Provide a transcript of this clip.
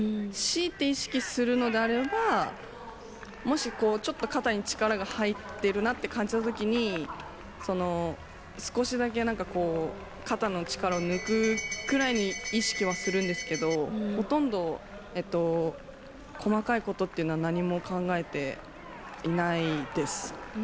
しいて意識するのであればもしちょっと肩に力が入っているなと感じた時に少しだけ肩の力を抜くくらいに意識はするんですけどほとんど細かいことは何も考えていないです。